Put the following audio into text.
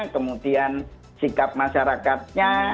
kemudian sikap masyarakatnya